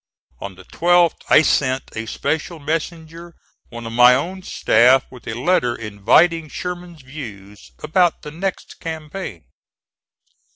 On the 12th I sent a special messenger, one of my own staff, with a letter inviting Sherman's views about the next campaign.